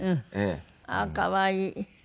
ああー可愛い。